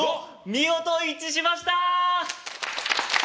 見事一致しました！